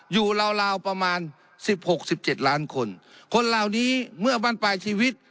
ราวราวประมาณสิบหกสิบเจ็ดล้านคนคนเหล่านี้เมื่อบ้านปลายชีวิต